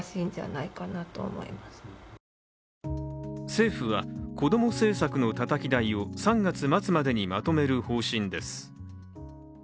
政府は、こども政策のたたき台を３月末までにまとめる方針です。